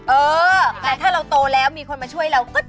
เออแต่ถ้าเราโตแล้วมีคนมาช่วยเราก็